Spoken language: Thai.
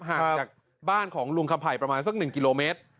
ห่างจากบ้านของลุงคำไผ่ประมาณสัก๑กิโลเมตร